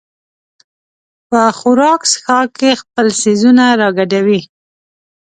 په خوراک څښاک کې خپل څیزونه راګډوي.